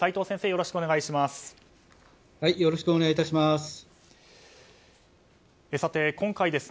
よろしくお願いします。